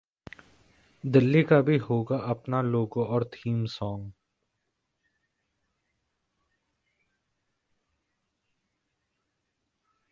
दिल्ली का भी होगा अपना ‘लोगो’ और ‘थीम सांग’